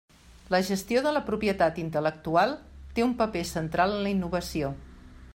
La gestió de la propietat intel·lectual té un paper central en la innovació.